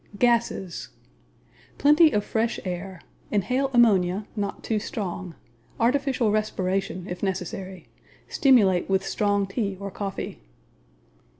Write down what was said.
Gases Plenty of fresh air. Inhale ammonia (not too strong). Artificial respiration if necessary. Stimulate with strong tea or coffee.